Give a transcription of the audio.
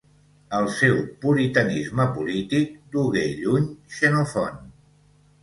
El seu puritanisme polític, dugué lluny Xenofont